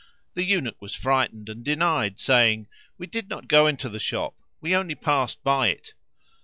The Eunuch was frightened and denied, saying, "We did not go into the shop; we only passed by it."